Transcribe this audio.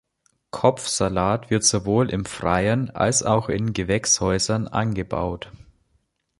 Kopfsalat wird sowohl im Freien als auch in Gewächshäusern angebaut.